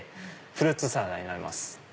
フルーツサラダになります。